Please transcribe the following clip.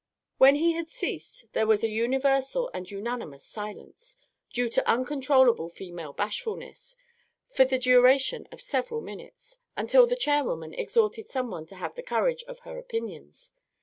When he had ceased there was a universal and unanimous silence, due to uncontrollable female bashfulness, for the duration of several minutes, until the chairwoman exhorted someone to have the courage of her opinions.